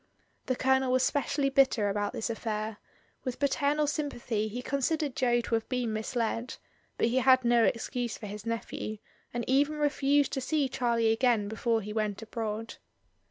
The Colonel was specially bitter about this affair; with paternal sympathy he considered Jo to have been misled, but he had no excuse for his nephew, and even refused to see Charlie again be fore he went abroad.